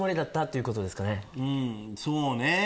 そうね。